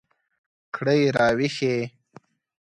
کړئ را ویښې